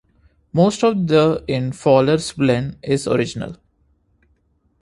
Most of the in Fallersleben is original.